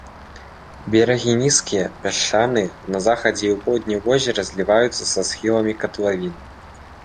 Берагі нізкія, пясчаныя, на захадзе і поўдні возера зліваюцца са схіламі катлавіны.